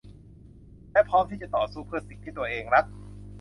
และพร้อมที่จะต่อสู้เพื่อสิ่งที่ตัวเองรัก